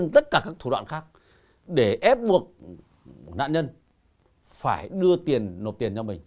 tất cả các thủ đoạn khác để ép buộc nạn nhân phải đưa tiền nộp tiền cho mình